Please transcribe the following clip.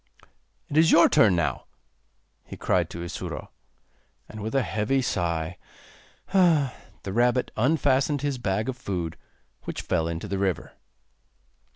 'It is your turn now,' he cried to Isuro. And with a heavy sigh, the rabbit unfastened his bag of food, which fell into the river.